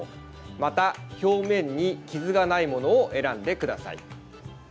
また表面に傷がないものを選んでください。